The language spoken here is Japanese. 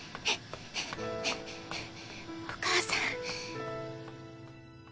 お母さん。